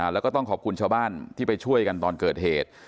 แล้วก็ต้องขอบคุณชาวบ้านที่ไปช่วยกันตอนเกิดเหตุ